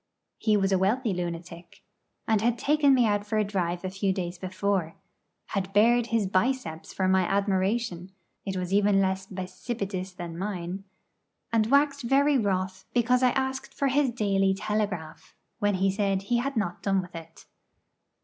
He was a wealthy lunatic, and had taken me out for a drive a few days before, had bared his 'biceps' for my admiration it was even less bicipitous than mine and waxed very wroth because I asked for his 'Daily Telegraph,' when he said he had not done with it.